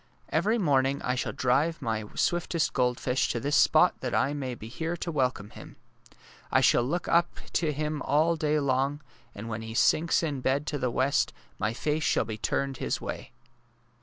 Every morning I shall drive my swiftest goldfish to this spot that I may be here to welcome him. I shall look up to him all day long, and when he sinks to bed in the west my face shall be turned his way!